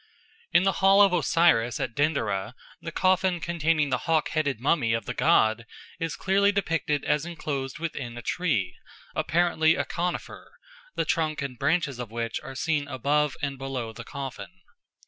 In the hall of Osiris at Denderah the coffin containing the hawk headed mummy of the god is clearly depicted as enclosed within a tree, apparently a conifer, the trunk and branches of which are seen above and below the coffin.